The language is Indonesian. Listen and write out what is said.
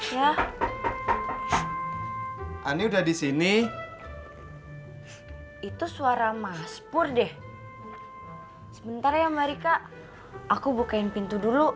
ya ani udah di sini itu suara maspur deh sebentar ya mbak rika aku bukain pintu dulu